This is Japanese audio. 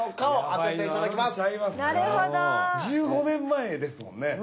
１５年前ですもんね。